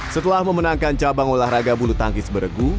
setelah memenangkan cabang olahraga bulu tangkis bergu